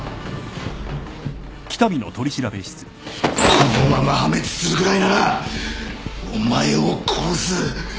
このまま破滅するぐらいならお前を殺す。